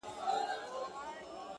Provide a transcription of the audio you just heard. دغه خوار ملنگ څو ځايه تندی داغ کړ،